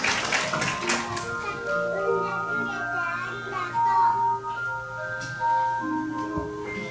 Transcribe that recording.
おかあさん生んでくれてありがとう。